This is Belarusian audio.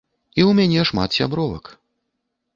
І ў мяне шмат сябровак.